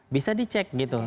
bisa dicek gitu